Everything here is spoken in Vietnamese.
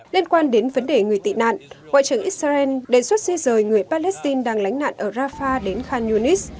liên quan đến vấn đề người tị nạn ngoại trưởng israel đề xuất di rời người palestine đang lánh nạn ở rafah đến khan yunis